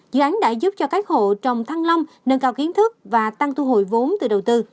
dự án đã giúp cho các hộ trồng thăng long nâng cao kiến thức và tăng thu hồi vốn từ đầu tư